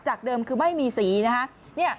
จากเดิมคือไม่มีสี